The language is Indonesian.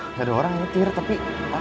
nggak ada orang nyetir tapi